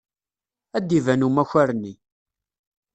Ad d-iban umakar-nni.